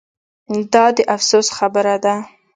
دا د افسوس خبره ده